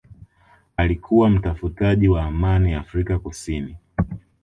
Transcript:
alikuwa mtafutaji wa amani Afrika Kusini